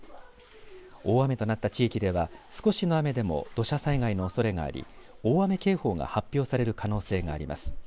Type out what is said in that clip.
大雨となった地域では少しの雨でも土砂災害のおそれがあり大雨警報が発表される可能性があります。